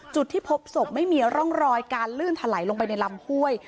จุดที่พบศพไม่มีร่องรอยการลื่นถลายลงไปในลำห้วย